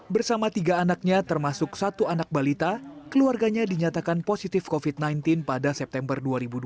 bersama tiga anaknya termasuk satu anak balita keluarganya dinyatakan positif covid sembilan belas pada september dua ribu dua puluh